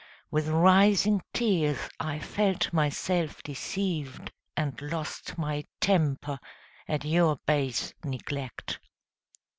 With rising tears I felt myself deceived And lost my temper at your base neglect.